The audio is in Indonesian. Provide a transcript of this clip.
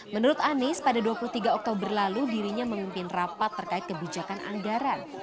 menurut anies pada dua puluh tiga oktober lalu dirinya memimpin rapat terkait kebijakan anggaran